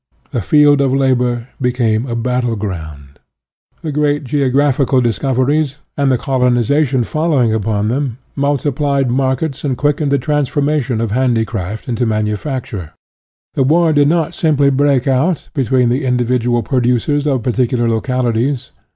The field of labor became a battle ground. The great geographical discoveries, and the colonization following upon them, multi plied markets and quickened the transfor mation of handicraft into manufacture. The war did not simply break out between the individual producers of particular localities.